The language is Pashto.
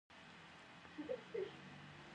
کاناډا یو لوی هیواد دی.